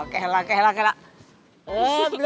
kamu brahnya ikut jagaan pedulhythm